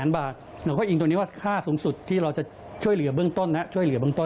๔๐๐๐๐๐บาทเราก็อิงตัวนี้ว่าค่าสูงสุดที่เราจะช่วยเหลือเบื้องต้นนะครับ